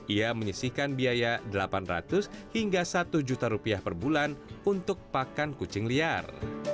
ia menyisihkan biaya delapan ratus hingga satu juta rupiah per bulan untuk pakan kucing liar